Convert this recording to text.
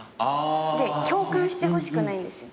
で共感してほしくないんですよ。